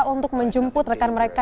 untuk menjemput rekan mereka